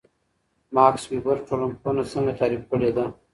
ماکس وِبر ټولنپوهنه څنګه تعریف کړې ده؟